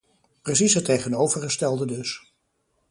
Precies het tegenovergestelde dus.